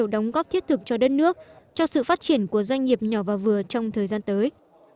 doanh nghiệp nhỏ và vừa trong thời gian tới